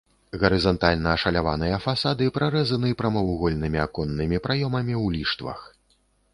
Гарызантальна ашаляваныя фасады прарэзаны прамавугольнымі аконнымі праёмамі ў ліштвах.